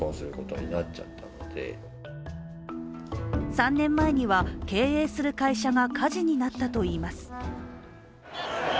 ３年前には経営する会社が火事になったといいます。